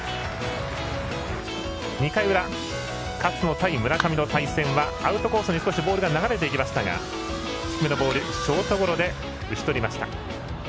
２回裏、勝野対村上の対戦はアウトコースに少しボールが流れていきましたが低めのボール、ショートゴロで打ち取りました。